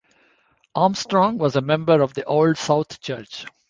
Armstrong was a member of the Old South Church.